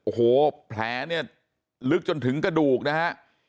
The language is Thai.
โอ้โหแผลเนี่ยลึกจนถึงกระดูกนะฮะ